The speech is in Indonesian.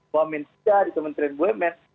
wamen tiga di kementerian bumn